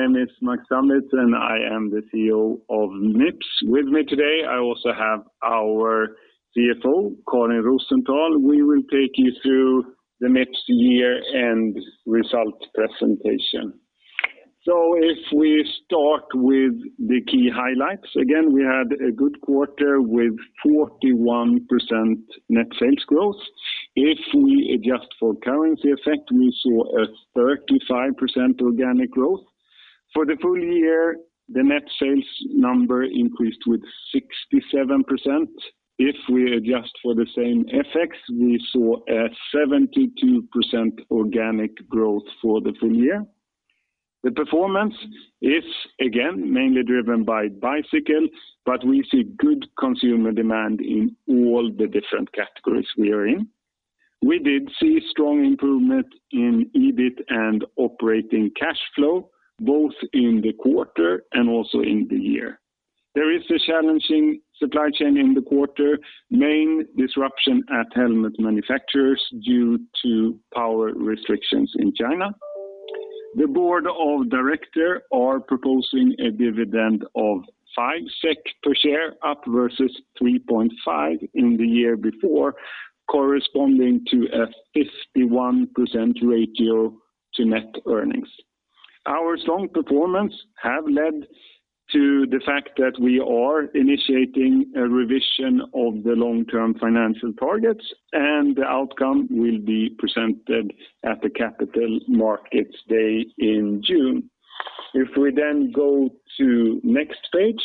My name is Max Strandwitz, and I am the CEO of Mips. With me today, I also have our CFO, Karin Rosenthal. We will take you through the Mips year-end result presentation. If we start with the key highlights, again, we had a good quarter with 41% net sales growth. If we adjust for currency effect, we saw a 35% organic growth. For the full year, the net sales number increased with 67%. If we adjust for the same effects, we saw a 72% organic growth for the full year. The performance is again mainly driven by bicycle, but we see good consumer demand in all the different categories we are in. We did see strong improvement in EBIT and operating cash flow, both in the quarter and also in the year. There is a challenging supply chain in the quarter. Main disruption at helmet manufacturers due to power restrictions in China. The board of director are proposing a dividend of 5 SEK per share, up versus 3.5 in the year before, corresponding to a 51% ratio to net earnings. Our strong performance have led to the fact that we are initiating a revision of the long-term financial targets, and the outcome will be presented at the Capital Markets Day in June. If we then go to next page.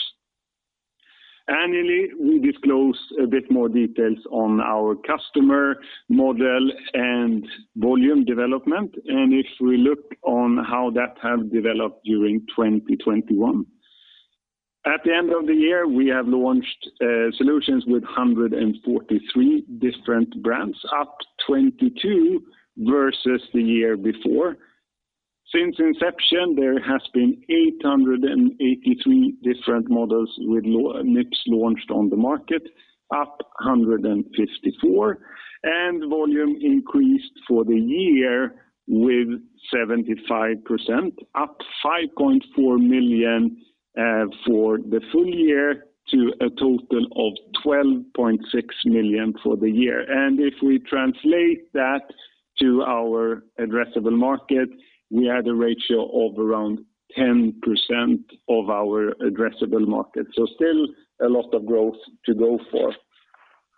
Annually, we disclose a bit more details on our customer model and volume development, and if we look on how that have developed during 2021. At the end of the year, we have launched solutions with 143 different brands, up 22 versus the year before. Since inception, there has been 883 different models with Mips launched on the market, up 154, and volume increased for the year with 75%, up 5.4 million, for the full year to a total of 12.6 million for the year. If we translate that to our addressable market, we had a ratio of around 10% of our addressable market. Still a lot of growth to go for.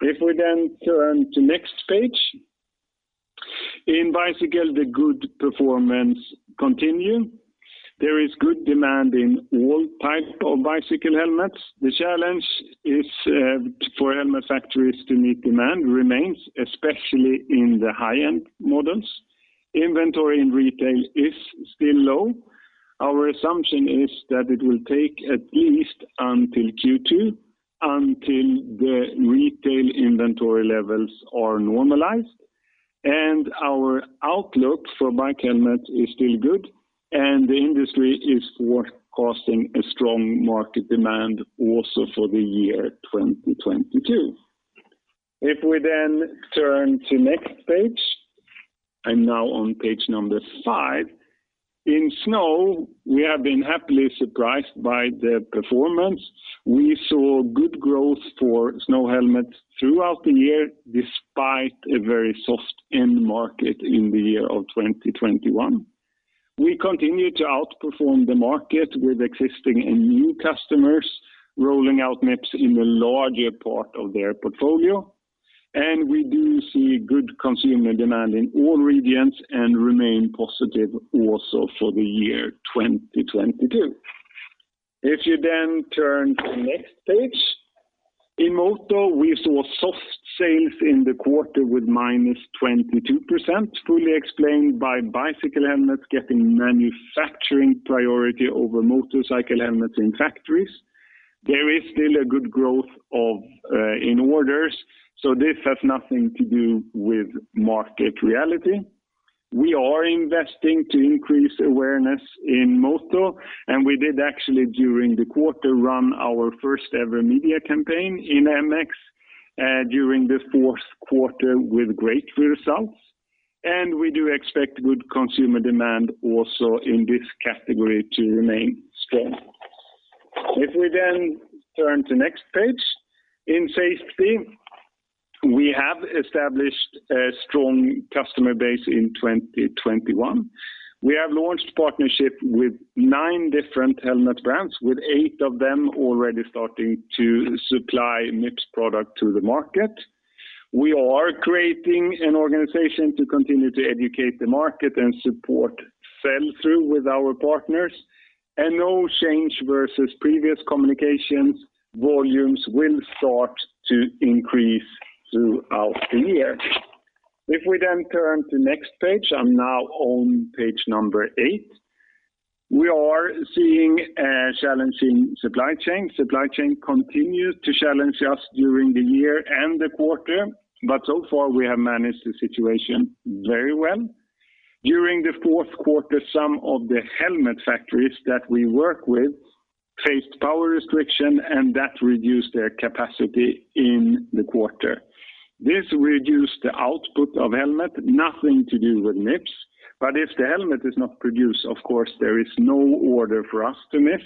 If we then turn to next page. In bicycle, the good performance continue. There is good demand in all type of bicycle helmets. The challenge is, for helmet factories to meet demand remains, especially in the high-end models. Inventory in retail is still low. Our assumption is that it will take at least until Q2, until the retail inventory levels are normalized. Our outlook for bike helmet is still good, and the industry is forecasting a strong market demand also for the year 2022. If we then turn to next page, and now on page 5. In Snow, we have been happily surprised by the performance. We saw good growth for snow helmets throughout the year, despite a very soft end market in the year of 2021. We continue to outperform the market with existing and new customers rolling out Mips in the larger part of their portfolio. We do see good consumer demand in all regions and remain positive also for the year 2022. If you then turn to next page. In Moto, we saw soft sales in the quarter with -22%, fully explained by bicycle helmets getting manufacturing priority over motorcycle helmets in factories. There is still a good growth of in orders, so this has nothing to do with market reality. We are investing to increase awareness in moto, and we did actually, during the quarter, run our first-ever media campaign in MX during the fourth quarter with great results. We do expect good consumer demand also in this category to remain strong. If we then turn to next page. In safety, we have established a strong customer base in 2021. We have launched partnership with 9 different helmet brands, with 8 of them already starting to supply Mips product to the market. We are creating an organization to continue to educate the market and support sell-through with our partners. No change versus previous communications. Volumes will start to increase throughout the year. If we then turn to next page, I'm now on page number 8. We are seeing a challenging supply chain. Supply chain continued to challenge us during the year and the quarter, but so far we have managed the situation very well. During the fourth quarter, some of the helmet factories that we work with faced power restriction and that reduced their capacity in the quarter. This reduced the output of helmet, nothing to do with Mips. If the helmet is not produced, of course, there is no order for us at Mips.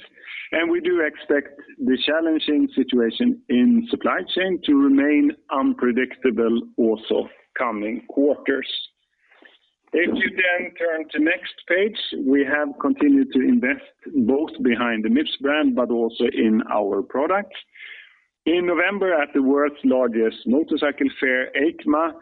We do expect the challenging situation in supply chain to remain unpredictable also coming quarters. If you then turn to next page, we have continued to invest both behind the Mips brand, but also in our products. In November, at the world's largest motorcycle fair, EICMA,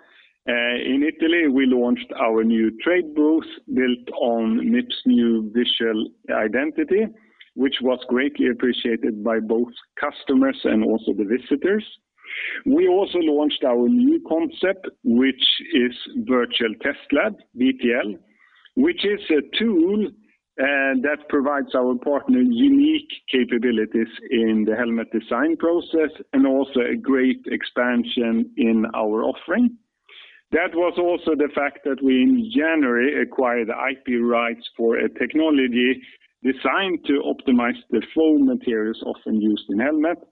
in Italy, we launched our new trade booth built on Mips' new visual identity, which was greatly appreciated by both customers and also the visitors. We also launched our new concept, which is Virtual Test Lab, VTL, which is a tool that provides our partners unique capabilities in the helmet design process and also a great expansion in our offering. That was also the fact that we in January acquired the IP rights for a technology designed to optimize the foam materials often used in helmets.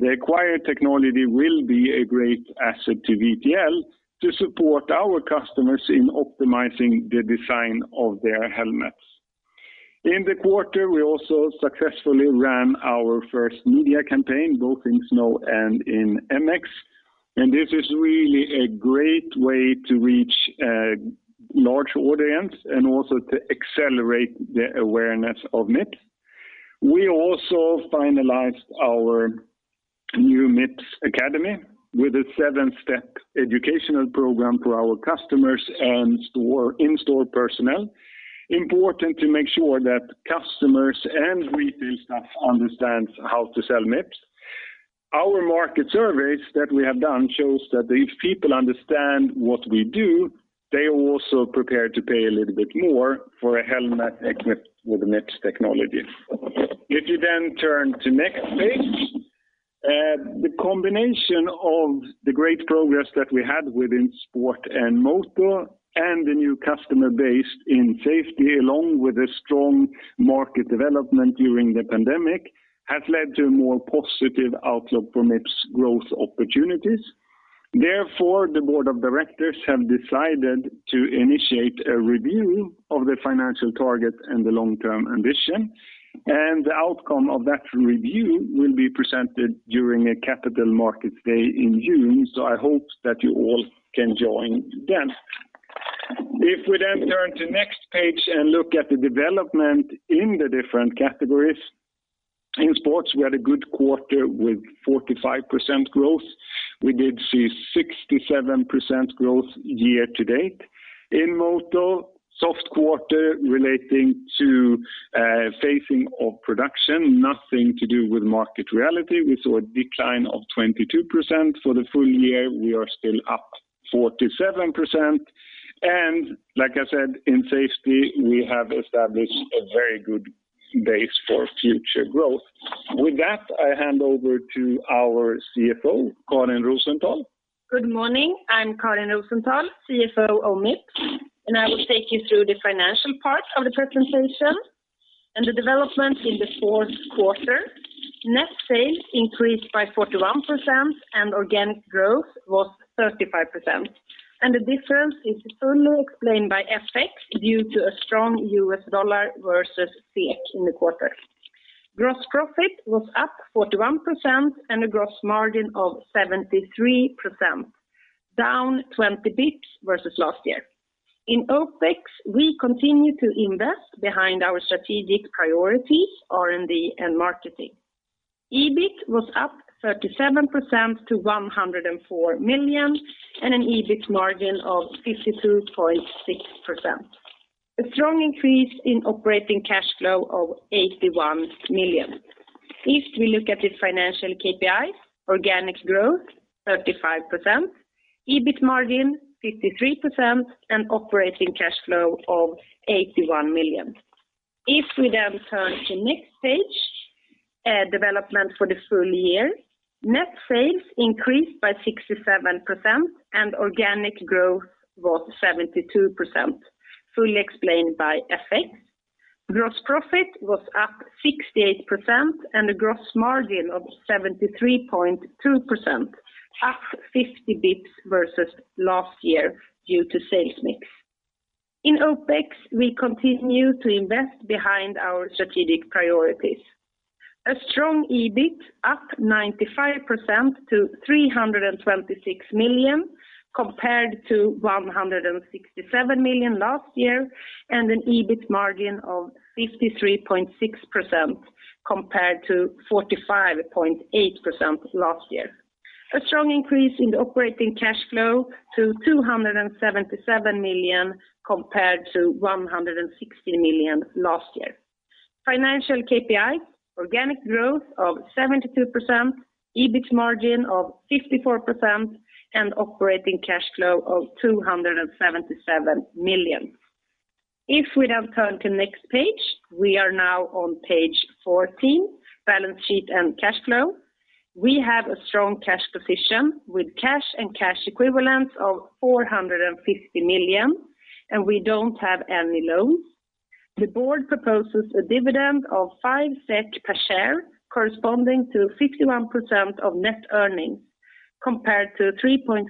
The acquired technology will be a great asset to VTL to support our customers in optimizing the design of their helmets. In the quarter, we also successfully ran our first media campaign, both in snow and in MX. This is really a great way to reach a large audience and also to accelerate the awareness of Mips. We also finalized our new Mips Academy with a seven-step educational program for our customers and in-store personnel. Important to make sure that customers and retail staff understand how to sell Mips. Our market surveys that we have done shows that if people understand what we do, they are also prepared to pay a little bit more for a helmet equipped with a Mips technology. If you turn to next page, the combination of the great progress that we had within sport and motor and the new customer base in safety, along with a strong market development during the pandemic, has led to a more positive outlook for Mips growth opportunities. Therefore, the board of directors have decided to initiate a review of the financial target and the long-term ambition, and the outcome of that review will be presented during a Capital Markets Day in June. I hope that you all can join then. If we then turn to next page and look at the development in the different categories. In sports, we had a good quarter with 45% growth. We did see 67% growth year to date. In motor, soft quarter relating to phasing of production, nothing to do with market reality. We saw a decline of 22%. For the full year, we are still up 47%. Like I said, in safety, we have established a very good base for future growth. With that, I hand over to our CFO, Karin Rosenthal. Good morning. I'm Karin Rosenthal, CFO of Mips, and I will take you through the financial part of the presentation and the development in the fourth quarter. Net sales increased by 41%, and organic growth was 35%. The difference is fully explained by FX due to a strong U.S. dollar versus SEK in the quarter. Gross profit was up 41% and a gross margin of 73%, down 20 basis points versus last year. In OpEx, we continue to invest behind our strategic priorities, R&D and marketing. EBIT was up 37% to 104 million and an EBIT margin of 52.6%. A strong increase in operating cash flow of 81 million. If we look at the financial KPI, organic growth 35%, EBIT margin 53%, and operating cash flow of 81 million. If we then turn to next page, development for the full year. Net sales increased by 67%, and organic growth was 72%, fully explained by FX. Gross profit was up 68% and a gross margin of 73.2%, up 50 basis points versus last year due to sales mix. In OpEx, we continue to invest behind our strategic priorities. A strong EBIT up 95% to 326 million, compared to 167 million last year, and an EBIT margin of 53.6% compared to 45.8% last year. A strong increase in operating cash flow to 277 million compared to 160 million last year. Financial KPI, organic growth of 72%, EBIT margin of 54%, and operating cash flow of 277 million. If we turn to next page, we are now on page 14, balance sheet and cash flow. We have a strong cash position with cash and cash equivalents of 450 million, and we don't have any loans. The board proposes a dividend of 5 SEK per share, corresponding to 51% of net earnings, compared to 3.50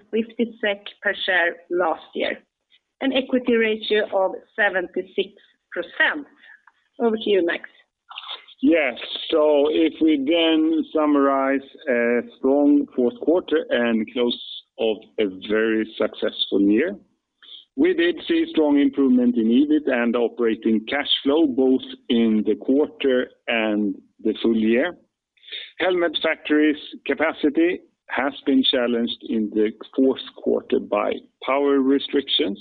SEK per share last year. An equity ratio of 76%. Over to you, Max. Yes. If we then summarize a strong fourth quarter and close of a very successful year. We did see strong improvement in EBIT and operating cash flow both in the quarter and the full year. Helmet factories capacity has been challenged in the fourth quarter by power restrictions.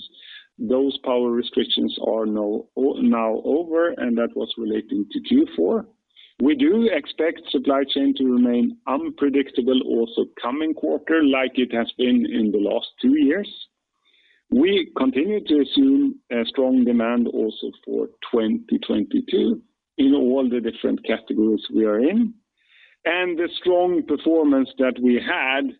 Those power restrictions are now over, and that was relating to Q4. We do expect supply chain to remain unpredictable also coming quarter like it has been in the last two years. We continue to assume a strong demand also for 2022 in all the different categories we are in. The strong performance that we had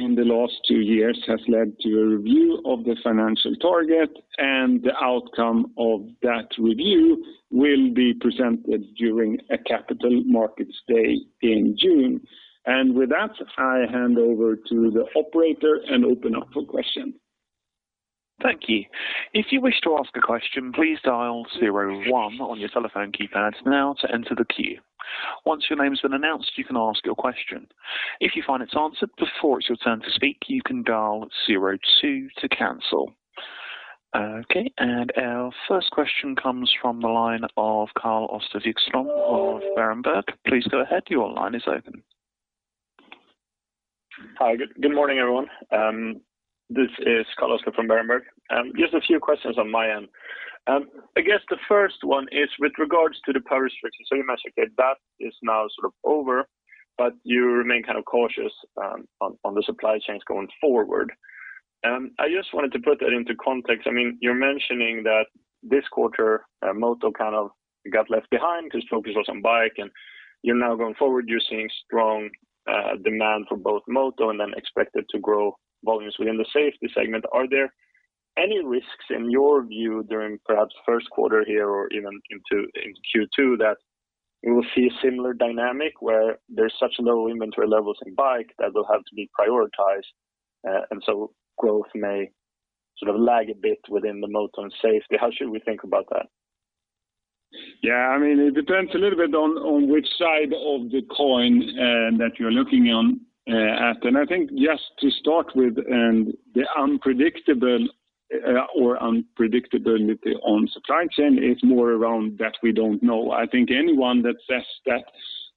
in the last two years has led to a review of the financial target, and the outcome of that review will be presented during a Capital Markets Day in June. With that, I hand over to the operator and open up for question. Thank you. If you wish to ask a question, please dial zero one on your telephone keypad now to enter the queue. Once your name has been announced, you can ask your question. If you find it's answered before it's your turn to speak, you can dial zero two to cancel. Okay, our first question comes from the line of Oskar Wikström of Berenberg. Please go ahead. Your line is open. Hi. Good morning, everyone. This is Carl-Oskar from Berenberg. Just a few questions on my end. I guess the first one is with regards to the power restrictions. You mentioned that is now sort of over, but you remain kind of cautious on the supply chains going forward. I just wanted to put that into context. I mean, you're mentioning that this quarter, moto kind of got left behind because focus was on bike, and you're now going forward, you're seeing strong demand for both moto and then expected to grow volumes within the safety segment. Are there any risks in your view during perhaps first quarter here or even in Q2 that we will see a similar dynamic where there's such low inventory levels in bike that will have to be prioritized, and so growth may sort of lag a bit within the moto and safety? How should we think about that? Yeah, I mean, it depends a little bit on which side of the coin that you're looking at. I think just to start with, the unpredictability on supply chain is more around that we don't know. I think anyone that says that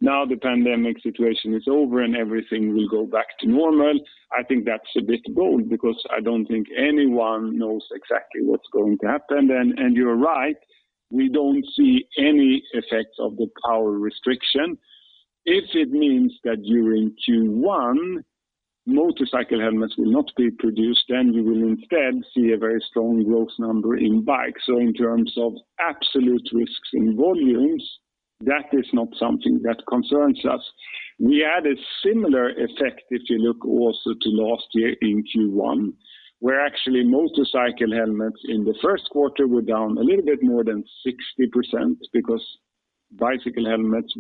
now the pandemic situation is over and everything will go back to normal, I think that's a bit bold because I don't think anyone knows exactly what's going to happen. You're right, we don't see any effects of the power restriction. If it means that during Q1, motorcycle helmets will not be produced, then we will instead see a very strong growth number in bikes. In terms of absolute risks in volumes, that is not something that concerns us. We had a similar effect if you look also to last year in Q1, where actually motorcycle helmets in the first quarter were down a little bit more than 60% because bicycle helmets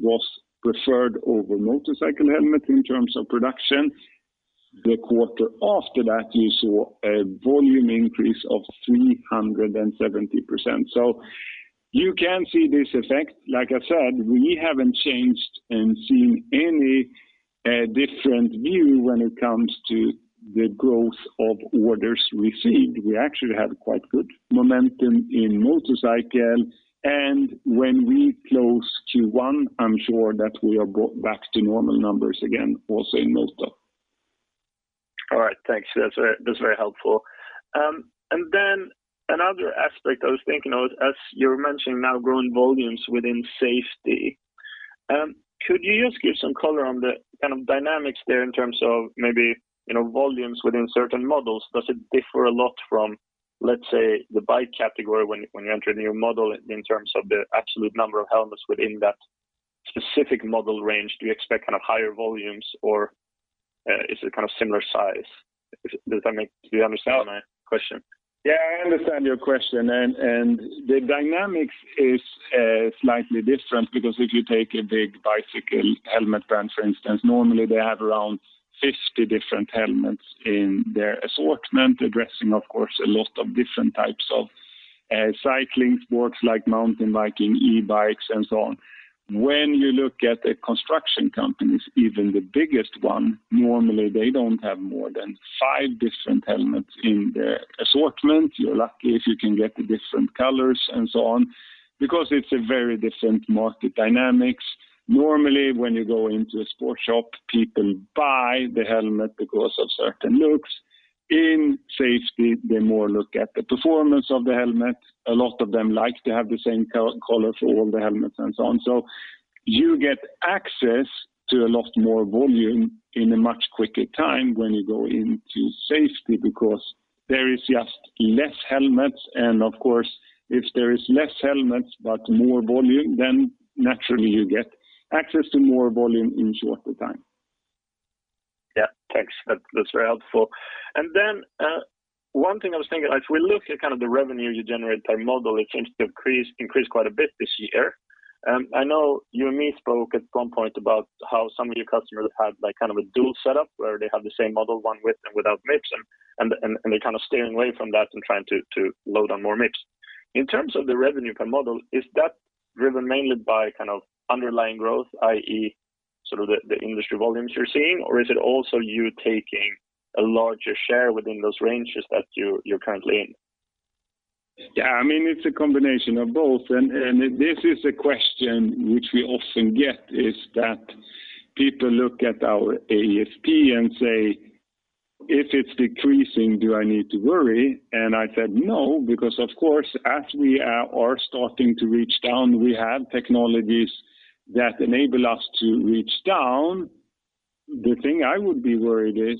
was preferred over motorcycle helmet in terms of production. The quarter after that, you saw a volume increase of 370%. You can see this effect. Like I said, we haven't changed and seen any different view when it comes to the growth of orders received. We actually had quite good momentum in motorcycle. When we close Q1, I'm sure that we are going back to normal numbers again, also in moto. All right. Thanks. That's very helpful. Then another aspect I was thinking of, as you're mentioning now growing volumes within safety, could you just give some color on the kind of dynamics there in terms of maybe, you know, volumes within certain models? Does it differ a lot from, let's say, the bike category when you enter a new model in terms of the absolute number of helmets within that specific model range? Do you expect kind of higher volumes or is it kind of similar size? Does that make sense? Do you understand my question? Yeah, I understand your question. The dynamics is slightly different because if you take a big bicycle helmet brand, for instance, normally they have around 50 different helmets in their assortment, addressing of course, a lot of different types of cycling sports like mountain biking, e-bikes and so on. When you look at the construction companies, even the biggest one, normally they don't have more than five different helmets in their assortment. You're lucky if you can get the different colors and so on because it's a very different market dynamics. Normally, when you go into a sports shop, people buy the helmet because of certain looks. In safety, they more look at the performance of the helmet. A lot of them like to have the same color for all the helmets and so on. You get access to a lot more volume in a much quicker time when you go into safety because there is just less helmets. Of course, if there is less helmets but more volume, then naturally you get access to more volume in shorter time. Yeah, thanks. That's very helpful. One thing I was thinking, if we look at kind of the revenue you generate per model, it seems to increase quite a bit this year. I know you and me spoke at one point about how some of your customers have, like, kind of a dual setup where they have the same model, one with and without Mips, and they're kind of steering away from that and trying to load on more Mips. In terms of the revenue per model, is that driven mainly by kind of underlying growth, i.e., sort of the industry volumes you're seeing? Or is it also you taking a larger share within those ranges that you're currently in? Yeah, I mean, it's a combination of both. This is a question which we often get is that people look at our ASP and say, "If it's decreasing, do I need to worry?" I said, "No," because of course, as we are starting to reach down, we have technologies that enable us to reach down. The thing I would be worried is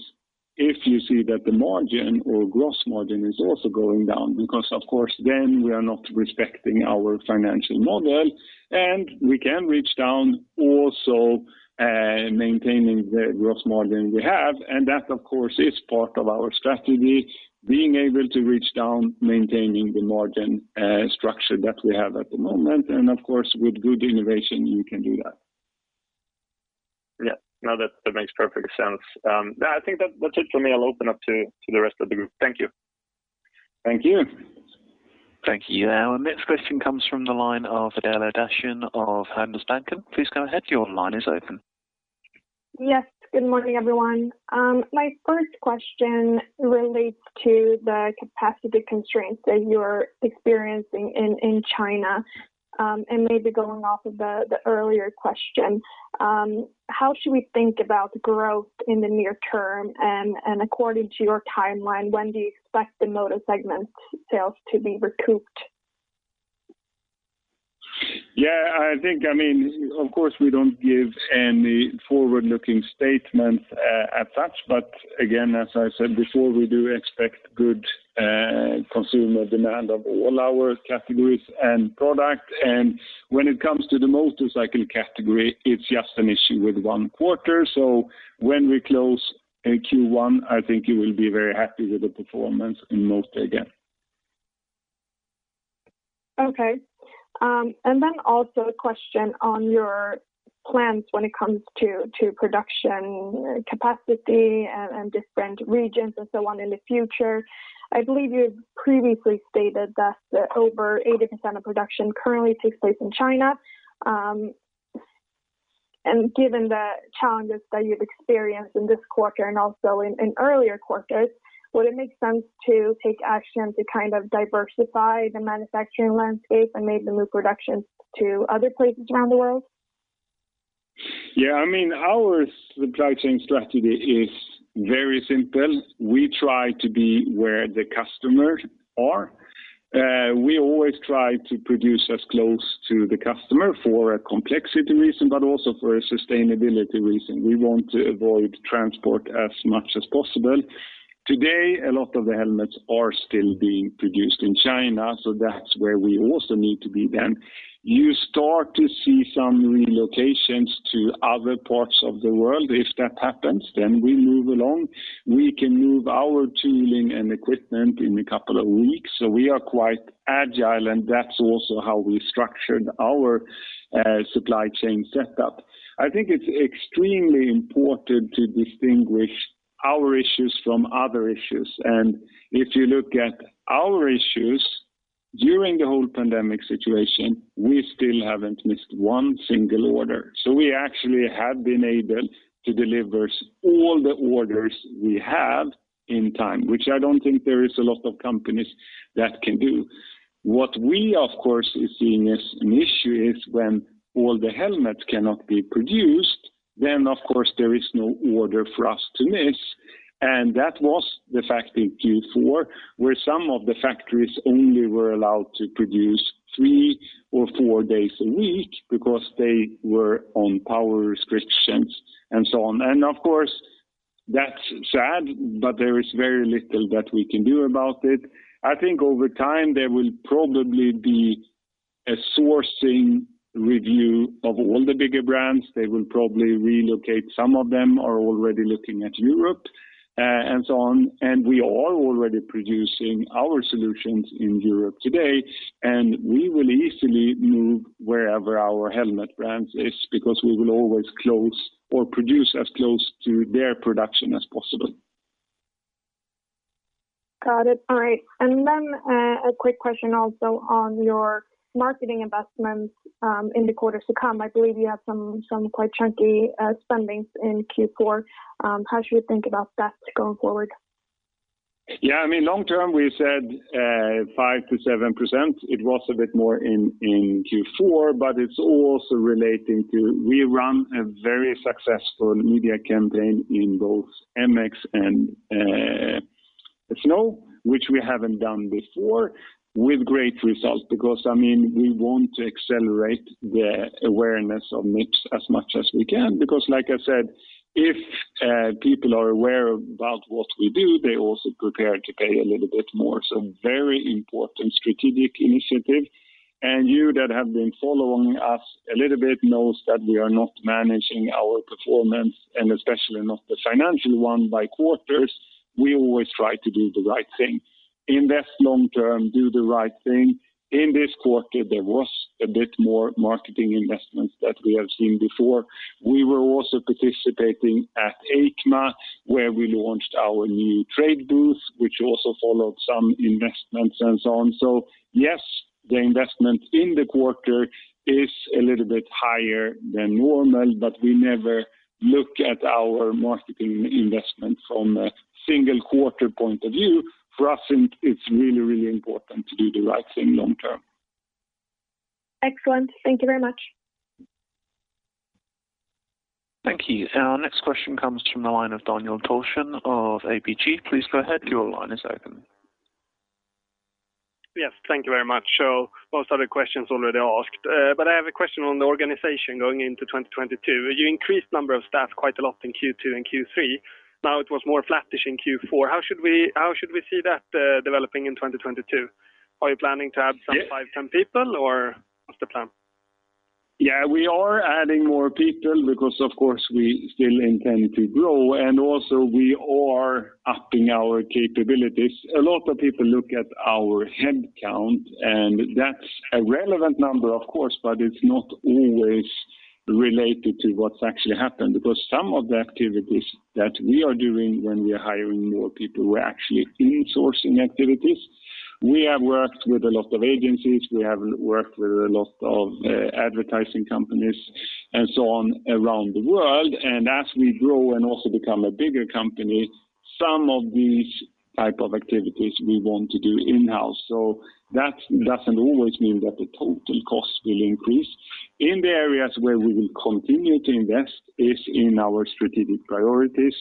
if you see that the margin or gross margin is also going down because, of course, then we are not respecting our financial model, and we can reach down also, maintaining the gross margin we have. That, of course, is part of our strategy, being able to reach down, maintaining the margin, structure that we have at the moment. Of course, with good innovation, you can do that. Yeah. No, that makes perfect sense. No, I think that's it for me. I'll open up to the rest of the group. Thank you. Thank you. Thank you. Our next question comes from the line of Adela Dashian of Handelsbanken. Please go ahead. Your line is open. Yes. Good morning, everyone. My first question relates to the capacity constraints that you're experiencing in China. Maybe going off of the earlier question, how should we think about growth in the near term? According to your timeline, when do you expect the motor segment sales to be recouped? Yeah, I think. I mean, of course, we don't give any forward-looking statement at such, but again, as I said before, we do expect good consumer demand of all our categories and product. When it comes to the motorcycle category, it's just an issue with one quarter. When we close Q1, I think you will be very happy with the performance in motor again. Okay. Also a question on your plans when it comes to production capacity and different regions and so on in the future. I believe you previously stated that over 80% of production currently takes place in China. Given the challenges that you've experienced in this quarter and also in earlier quarters, would it make sense to take action to kind of diversify the manufacturing landscape and maybe move production to other places around the world? Yeah. I mean, our supply chain strategy is very simple. We try to be where the customers are. We always try to produce as close to the customer for a complexity reason, but also for a sustainability reason. We want to avoid transport as much as possible. Today, a lot of the helmets are still being produced in China, so that's where we also need to be then. You start to see some relocations to other parts of the world. If that happens, then we move along. We can move our tooling and equipment in a couple of weeks, so we are quite agile, and that's also how we structured our supply chain setup. I think it's extremely important to distinguish our issues from other issues. If you look at our issues during the whole pandemic situation, we still haven't missed one single order. We actually have been able to deliver all the orders we have in time, which I don't think there is a lot of companies that can do. What we, of course, is seeing as an issue is when all the helmets cannot be produced, then of course, there is no order for us to miss. That was the fact in Q4, where some of the factories only were allowed to produce three or four days a week because they were on power restrictions and so on. Of course, that's sad, but there is very little that we can do about it. I think over time, there will probably be a sourcing review of all the bigger brands. They will probably relocate. Some of them are already looking at Europe and so on. We are already producing our solutions in Europe today, and we will easily move wherever our helmet brands is because we will always close or produce as close to their production as possible. Got it. All right. A quick question also on your marketing investments in the quarters to come. I believe you have some quite chunky spendings in Q4. How should we think about that going forward? Yeah, I mean, long term, we said 5%-7%. It was a bit more in Q4, but it's also relating to we run a very successful media campaign in both MX and snow, which we haven't done before, with great results. Because, I mean, we want to accelerate the awareness of Mips as much as we can because, like I said, if people are aware about what we do, they're also prepared to pay a little bit more. So very important strategic initiative. You that have been following us a little bit knows that we are not managing our performance, and especially not the financial one by quarters. We always try to do the right thing. Invest long term, do the right thing. In this quarter, there was a bit more marketing investments that we have seen before. We were also participating at EICMA, where we launched our new trade booth, which also followed some investments and so on. Yes, the investment in the quarter is a little bit higher than normal, but we never look at our marketing investment from a single quarter point of view. For us, it's really, really important to do the right thing long term. Excellent. Thank you very much. Thank you. Our next question comes from the line of Daniel Tolson of APG. Please go ahead. Your line is open. Yes, thank you very much. Most of the questions already asked, but I have a question on the organization going into 2022. You increased number of staff quite a lot in Q2 and Q3. Now it was more flattish in Q4. How should we see that developing in 2022? Are you planning to add some 5, 10 people, or what's the plan? Yeah, we are adding more people because of course, we still intend to grow, and also we are upping our capabilities. A lot of people look at our headcount, and that's a relevant number of course, but it's not always related to what's actually happened. Because some of the activities that we are doing when we are hiring more people were actually insourcing activities. We have worked with a lot of agencies. We have worked with a lot of advertising companies and so on around the world. As we grow and also become a bigger company, some of these type of activities we want to do in-house. That doesn't always mean that the total cost will increase. In the areas where we will continue to invest is in our strategic priorities.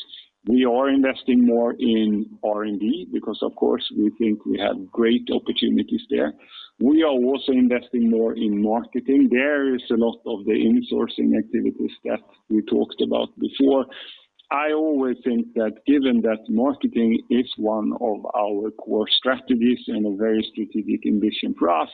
We are investing more in R&D because of course, we think we have great opportunities there. We are also investing more in marketing. There is a lot of the insourcing activities that we talked about before. I always think that given that marketing is one of our core strategies and a very strategic ambition for us,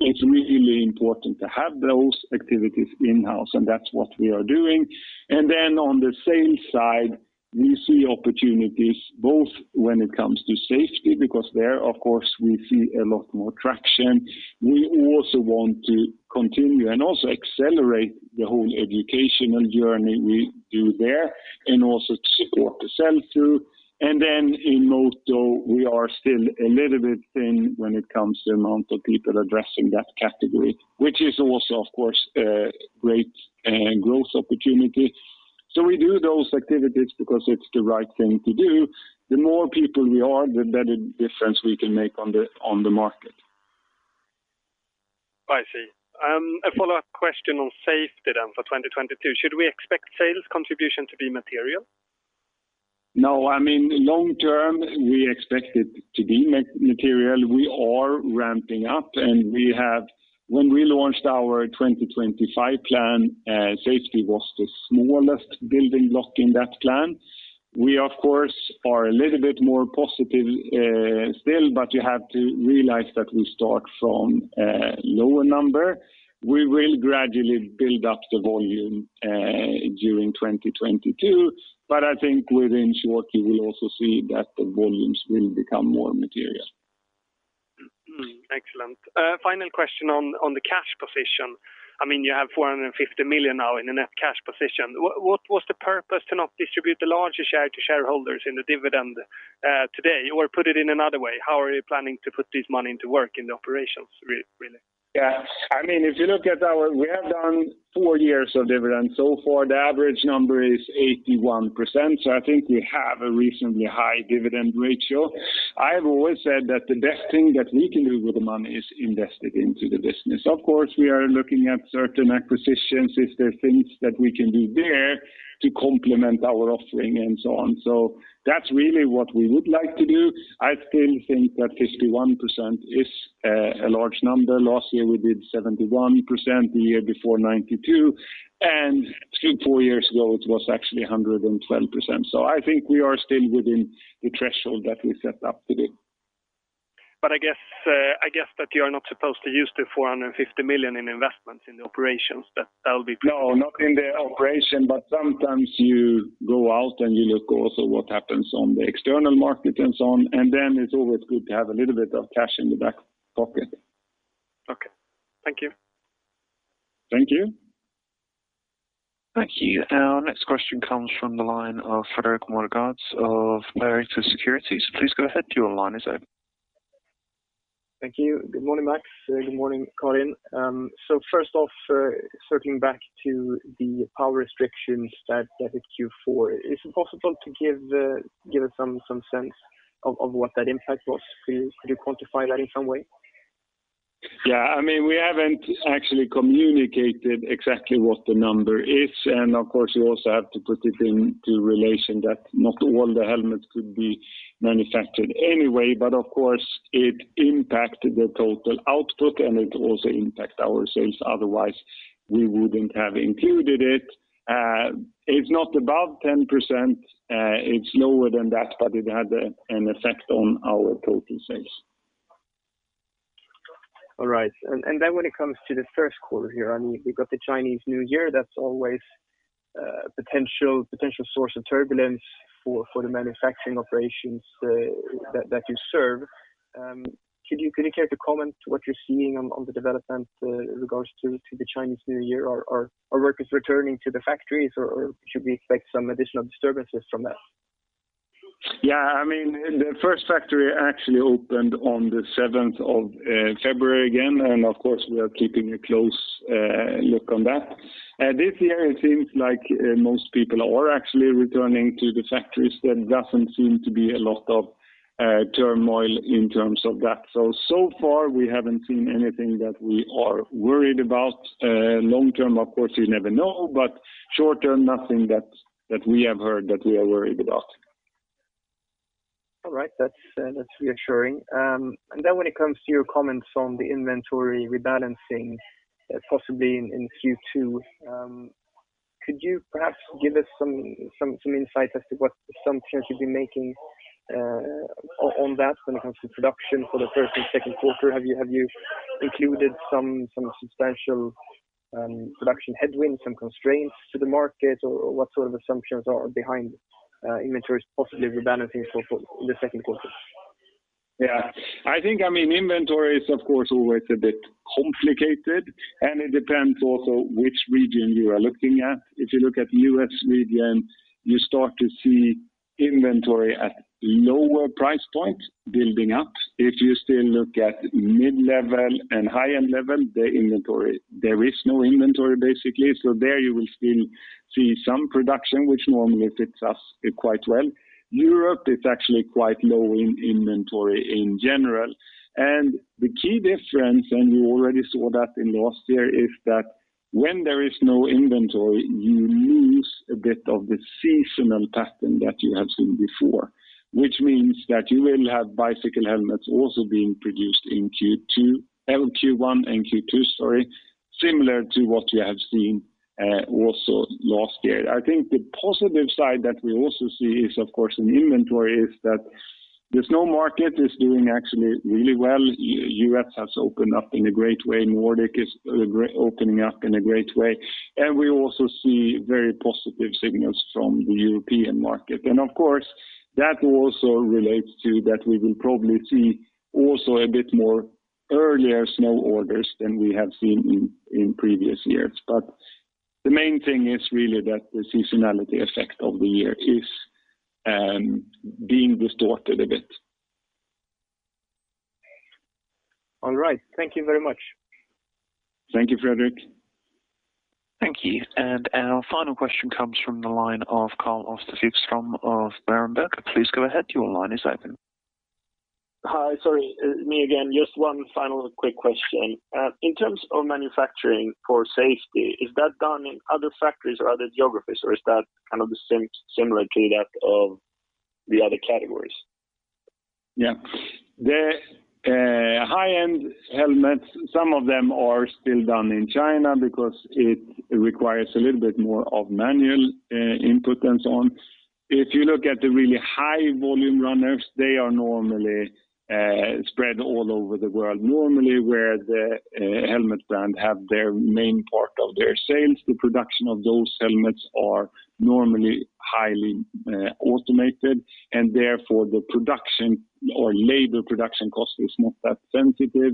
it's really important to have those activities in-house, and that's what we are doing. On the sales side, we see opportunities both when it comes to safety, because there, of course, we see a lot more traction. We also want to continue and also accelerate the whole educational journey we do there and also to support the sell through. In Moto, we are still a little bit thin when it comes to amount of people addressing that category, which is also, of course, a great growth opportunity. We do those activities because it's the right thing to do. The more people we are, the better difference we can make on the market. I see. A follow-up question on safety then for 2022. Should we expect sales contribution to be material? No. I mean, long term, we expect it to be material. We are ramping up. When we launched our 2025 plan, safety was the smallest building block in that plan. We of course are a little bit more positive still, but you have to realize that we start from a lower number. We will gradually build up the volume during 2022, but I think within short, you will also see that the volumes will become more material. Excellent. Final question on the cash position. I mean, you have 450 million now in the net cash position. What was the purpose to not distribute the larger share to shareholders in the dividend today? Or put it in another way, how are you planning to put this money into work in the operations really? Yeah. I mean, if you look at our. We have done 4 years of dividends so far. The average number is 81%, so I think we have a reasonably high dividend ratio. I have always said that the best thing that we can do with the money is invest it into the business. Of course, we are looking at certain acquisitions, if there are things that we can do there to complement our offering and so on. That's really what we would like to do. I still think that 51% is a large number. Last year, we did 71%, the year before 92%, and 3, 4 years ago, it was actually 112%. I think we are still within the threshold that we set up today. I guess that you're not supposed to use the 450 million in investments in the operations. That would be- No, not in the operation, but sometimes you go out, and you look also what happens on the external market and so on, and then it's always good to have a little bit of cash in the back pocket. Okay. Thank you. Thank you. Thank you. Our next question comes from the line of Fredrik Moregård of Pareto Securities. Please go ahead. Your line is open. Thank you. Good morning, Max. Good morning, Karin. First off, circling back to the power restrictions that hit Q4. Is it possible to give us some sense of what that impact was for you? Could you quantify that in some way? Yeah. I mean, we haven't actually communicated exactly what the number is, and of course, you also have to put it into relation that not all the helmets could be manufactured anyway. Of course, it impacted the total output, and it also impact our sales otherwise. We wouldn't have included it. It's not above 10%. It's lower than that, but it had an effect on our total sales. All right. Then when it comes to the first quarter here, I mean, we've got the Chinese New Year. That's always a potential source of turbulence for the manufacturing operations that you serve. Can you care to comment what you're seeing on the development in regards to the Chinese New Year? Are workers returning to the factories or should we expect some additional disturbances from that? Yeah, I mean, the first factory actually opened on the seventh of February again, and of course we are keeping a close look on that. This year it seems like most people are actually returning to the factories. There doesn't seem to be a lot of turmoil in terms of that. So far we haven't seen anything that we are worried about. Long term, of course, you never know, but short term, nothing that we have heard that we are worried about. All right. That's reassuring. When it comes to your comments on the inventory rebalancing, possibly in Q2, could you perhaps give us some insight as to what assumptions you've been making on that when it comes to production for the first and second quarter? Have you included some substantial production headwinds, some constraints to the market? What sort of assumptions are behind inventories possibly rebalancing for the second quarter? Yeah. I think, I mean, inventory is of course always a bit complicated, and it depends also which region you are looking at. If you look at U.S. region, you start to see inventory at lower price points building up. If you still look at mid-level and high-end level, the inventory. There is no inventory, basically. There you will still see some production, which normally fits us quite well. Europe is actually quite low in inventory in general. The key difference, and we already saw that in last year, is that when there is no inventory, you lose a bit of the seasonal pattern that you have seen before, which means that you will have bicycle helmets also being produced in Q2. Q1 and Q2, sorry, similar to what you have seen also last year. I think the positive side that we also see is of course in inventory is that the snow market is doing actually really well. U.S. has opened up in a great way. Nordic is opening up in a great way. We also see very positive signals from the European market. Of course that also relates to that we will probably see also a bit more earlier snow orders than we have seen in previous years. The main thing is really that the seasonality effect of the year is being distorted a bit. All right. Thank you very much. Thank you, Fredrik. Thank you. Our final question comes from the line of Karl Oskar Vikstrom of Berenberg. Please go ahead. Your line is open. Hi. Sorry, me again. Just one final quick question. In terms of manufacturing for safety, is that done in other factories or other geographies, or is that kind of the similar to that of the other categories? Yeah. The high-end helmets, some of them are still done in China because it requires a little bit more of manual input and so on. If you look at the really high volume runners, they are normally spread all over the world. Normally, where the helmet brand have their main part of their sales, the production of those helmets are normally highly automated, and therefore the production or labor production cost is not that sensitive.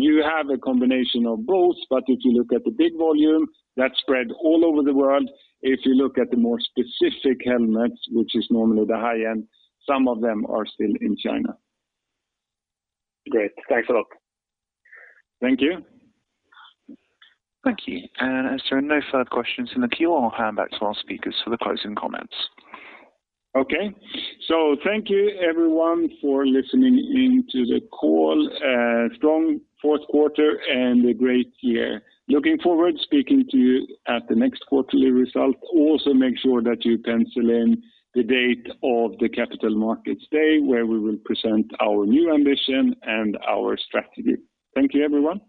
You have a combination of both, but if you look at the big volume, that's spread all over the world. If you look at the more specific helmets, which is normally the high end, some of them are still in China. Great. Thanks a lot. Thank you. Thank you. As there are no further questions in the queue, I'll hand back to our speakers for the closing comments. Okay. Thank you everyone for listening in to the call. Strong fourth quarter and a great year. Looking forward to speaking to you at the next quarterly result. Also, make sure that you pencil in the date of the Capital Markets Day, where we will present our new ambition and our strategy. Thank you, everyone.